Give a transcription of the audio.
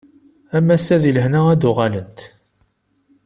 Am wass-a di lehna ad d-uɣalent.